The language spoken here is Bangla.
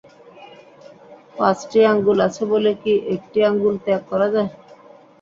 পাঁচটি আঙুল আছে বলে কি একটি আঙুল ত্যাগ করা যায়।